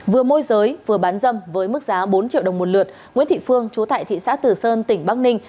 vừa môi giới vừa bán dâm với mức giá bốn triệu đồng một lượt nguyễn thị phương chú tại thị xã tử sơn tỉnh bắc ninh